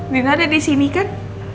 dina ada disini kan